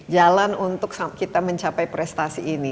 jalan untuk kita mencapai prestasi ini